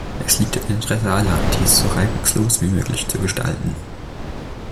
Es liegt im Interesse aller, dies so reibungslos wie möglich zu gestalten.